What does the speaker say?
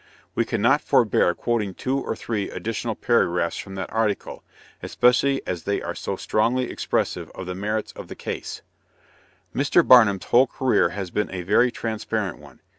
We cannot forbear quoting two or three additional paragraphs from that article, especially as they are so strongly expressive of the merits of the case: "Mr. Barnum's whole career has been a very transparent one.